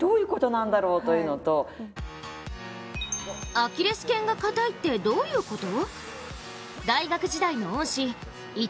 アキレスけんがかたいってどういうこと？